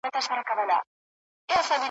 ته به راځې او زه به تللی یمه `